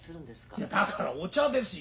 いやだからお茶ですよ。